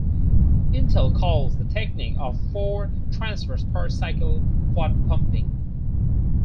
Intel calls the technique of four transfers per cycle Quad Pumping.